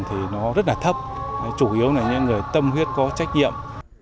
thì nó rất là thấp chủ yếu là những người tâm huyết có trách nhiệm